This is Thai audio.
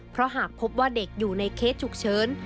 เพราะหากพบว่าเด็กอยู่ในเคสฉุกเฉิน